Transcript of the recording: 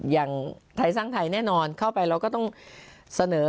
อย่างไทยสร้างไทยแน่นอนเข้าไปเราก็ต้องเสนอ